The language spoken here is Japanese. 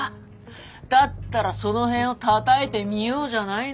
だったらその辺をたたいてみようじゃないのよ。